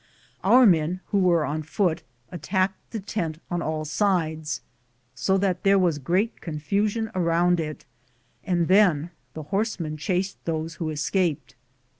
Our men who were on foot attacked the tent on all sides, so that there was great confusion around it, and then the horsemen chased those who escaped.